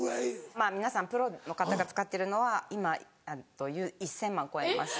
まぁ皆さんプロの方が使ってるのは今１０００万超えます。